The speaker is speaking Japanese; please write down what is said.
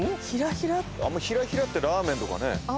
ひらひらってラーメンとかね。